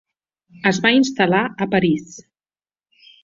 Es va instal·lar a París.